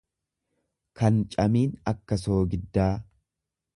kan camiin akka soogiddaa.